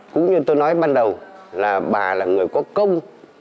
cũng như tôi nói ban đầu là bà là người có công